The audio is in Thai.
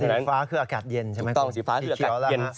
สีฟ้าอากาศเย็นสีเขียวน่ะครับ